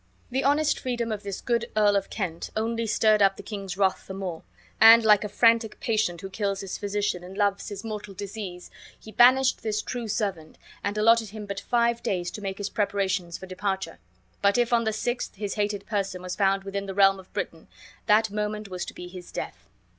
The honest freedom of this good Earl of Kent only stirred up the king's wrath the more, and, like a frantic patient who kills his physician and loves his mortal disease, he banished this true servant, and allotted him but five days to make his preparations for departure; but if on the sixth his hated person was found within the realm of Britain, that moment was to be his death.